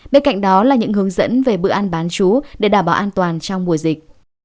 bên cạnh đó là những hướng dẫn về bữa ăn bán chú để đảm bảo an toàn trong mùa dịch